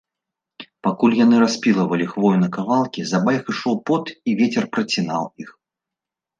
Пакуль яны распілавалі хвою на кавалкі, з абаіх ішоў пот, і вецер працінаў іх.